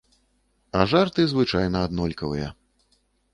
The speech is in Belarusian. А жарты звычайна аднолькавыя.